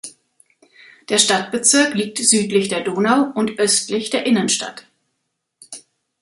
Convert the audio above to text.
Der Stadtbezirk liegt südlich der Donau und östlich der Innenstadt.